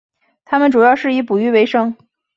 他们主要是以捕鱼维生。